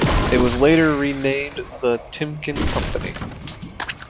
It was later renamed The Timken Company.